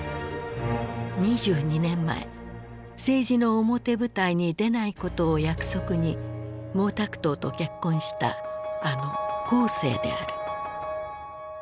２２年前政治の表舞台に出ないことを約束に毛沢東と結婚したあの江青である。